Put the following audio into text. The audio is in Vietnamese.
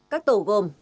các tổ gồm